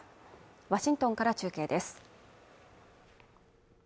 ワシントンから中継です